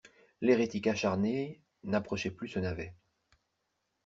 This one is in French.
L'hérétique acharnée n'approchait plus ce navet.